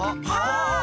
あ！